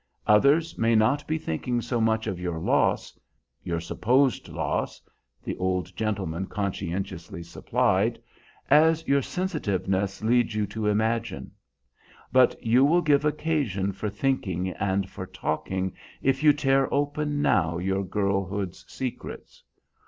Others may not be thinking so much of your loss your supposed loss," the old gentleman conscientiously supplied "as your sensitiveness leads you to imagine. But you will give occasion for thinking and for talking if you tear open now your girlhood's secrets.